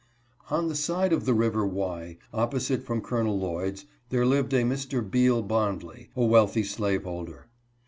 On the side of the river Wye opposite from Col. Lloyd's, there lived a Mr. Beal Bondley, a wealthy slaveholder.